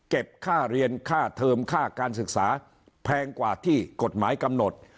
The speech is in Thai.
ค่าเรียนค่าเทิมค่าการศึกษาแพงกว่าที่กฎหมายกำหนด